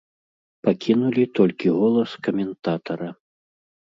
Пакінулі толькі голас каментатара.